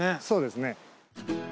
そうですね。